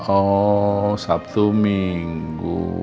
oh sabtu minggu